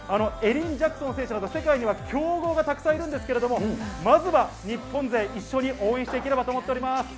エリン・ジャクソン選手など、世界には強豪がたくさんいるんですけれども、まずは日本勢、一緒に応援していければと思っております。